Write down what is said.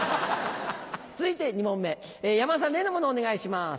続いて２問目山田さん例のものお願いします。